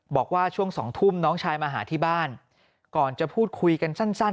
บอกว่าช่วง๒ทุ่มน้องชายมาหาที่บ้านก่อนจะพูดคุยกันสั้น